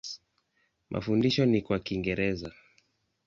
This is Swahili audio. Mafundisho ni kwa Kiingereza.